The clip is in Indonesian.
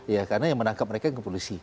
ya karena yang menangkap mereka polisi